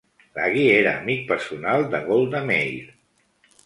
Laghi era amic personal de Golda Meir.